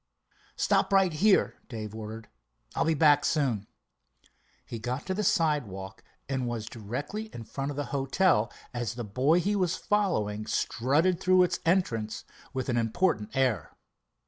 "Stop right here," Dave ordered. "I'll be back soon." He got to the sidewalk, and was directly in front of the hotel as the boy he was following strutted through its entrance with an important air.